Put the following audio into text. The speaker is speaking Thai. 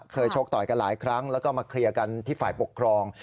ชกต่อยกันหลายครั้งแล้วก็มาเคลียร์กันที่ฝ่ายปกครอง